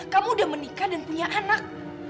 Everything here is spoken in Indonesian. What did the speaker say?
kamu udah menikah dan punya anak